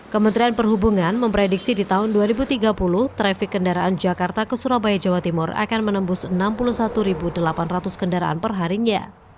kementerian perhubungan memprediksi di tahun dua ribu tiga puluh trafik kendaraan jakarta ke surabaya jawa timur akan menembus enam puluh satu delapan ratus kendaraan perharinya